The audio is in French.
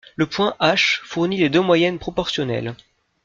Le point H fournit les deux moyennes proportionnelles.